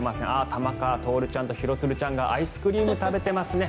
玉川徹ちゃんと廣津留ちゃんがアイスクリーム食べてますね。